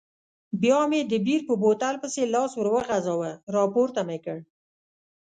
بیا مې د بیر په بوتل پسې لاس وروغځاوه، راپورته مې کړ.